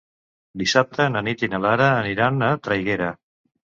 Dissabte na Nit i na Lara aniran a Traiguera.